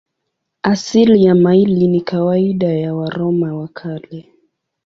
Asili ya maili ni kawaida ya Waroma wa Kale.